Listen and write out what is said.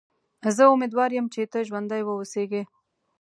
زه امیدوار یم چې ته ژوندی و اوسېږې.